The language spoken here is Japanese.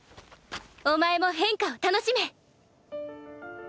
お前も変化を楽しめ！